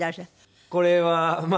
これは。